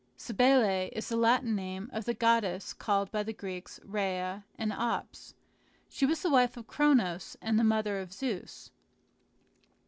Cybele is the Latin name of the goddess called by the Greeks Rhea and Ops. She was the wife of Cronos and mother of Zeus.